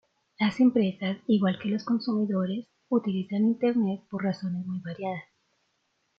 Las empresas, igual que los consumidores, utilizan Internet por razones muy variadas.